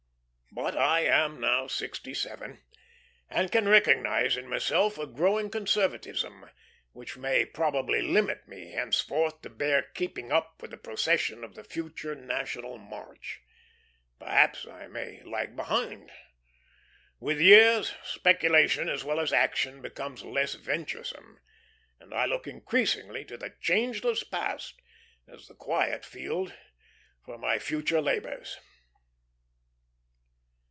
But I am now sixty seven, and can recognize in myself a growing conservatism, which may probably limit me henceforth to bare keeping up with the procession in the future national march. Perhaps I may lag behind. With years, speculation as well as action becomes less venturesome, and I look increasingly to the changeless past as the quiet field for my future labors.